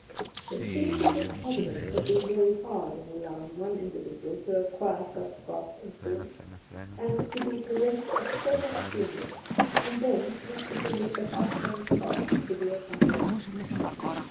It seemed as if Providence had been very hard in allowing one individual to acquire such vast influence, and to be possessed of so much genius, and then not to permit the half done task to be accomplished.